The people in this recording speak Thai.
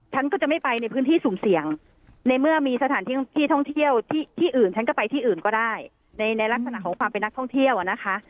ฉันก็จะไม่ไปในพื้นที่สุ่มเสี่ยงในเมื่อมีสถานที่ท่องเที่ยวที่อื่นฉันก็ไปที่อื่นก็ได้ในลักษณะของความเป็นนักท่องเที่ยวอ่ะนะคะ